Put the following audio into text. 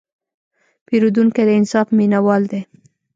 پیرودونکی د انصاف مینهوال دی.